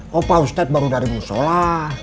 bapak ustadz baru dari musyola